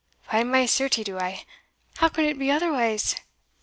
"By my certie do I How can it be otherwise?